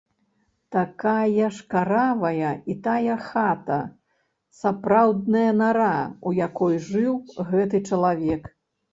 Такая ж каравая і тая хата, сапраўдная нара, у якой жыў гэты чалавек.